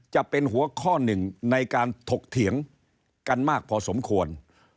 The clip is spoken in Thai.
จะเป็นหัวข้อหนึ่งในการถกเถียงกันมากพอสมควร